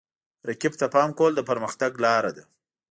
رقیب ته پام کول د پرمختګ لاره ده.